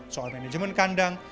soal manajemen kandang